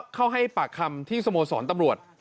เข้าให้ปากคำที่สโมสรตำรวจ